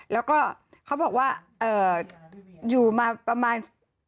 แล้วก็เขาบอกว่าอยู่มาประมาณ